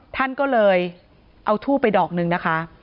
ท่านก็เลยเอาทูบไปดอกนึงนะคะ